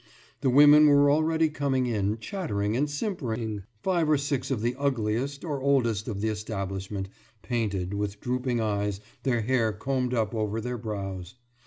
The women were already coming in, chattering and simpering five or six of the ugliest or oldest of the establishment painted, with drooping eyes, their hair combed up over their brows.